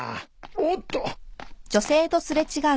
おっと！